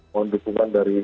mohon dukungan dari